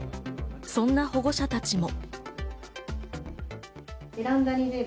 そんな保護者たちも。